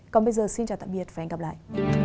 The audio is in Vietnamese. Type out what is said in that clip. còn bây giờ xin chào tạm biệt và hẹn gặp lại